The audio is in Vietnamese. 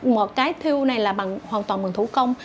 một cái theo này là hoàn toàn bằng thủ công